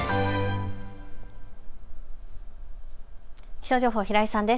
気象情報、平井さんです。